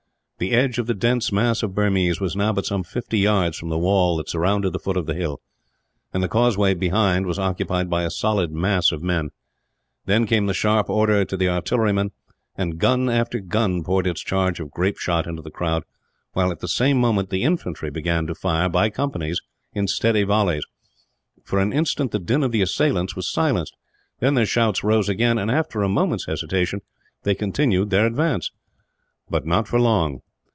The edge of the dense mass of Burmese was now but some fifty yards from the wall that surrounded the foot of the hill, and the causeway behind was occupied by a solid mass of men. Then came the sharp order to the artillerymen, and gun after gun poured its charge of grape into the crowd while, at the same moment, the infantry began to fire, by companies, in steady volleys. For an instant the din of the assailants was silenced, then their shouts rose again and, after a moment's hesitation, they continued their advance. But not for long.